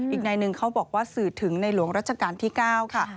อีกนายหนึ่งเขาบอกว่าสื่อถึงในหลวงรัชกาลที่๙ค่ะ